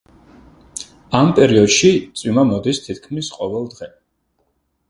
ამ პერიოდში წვიმა მოდის თითქმის ყოველდღე.